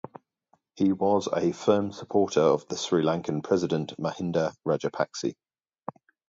He was a firm supporter of the Sri Lankan President, Mahinda Rajapakse.